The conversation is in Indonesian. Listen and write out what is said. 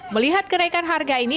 melihat kenaikan harga ini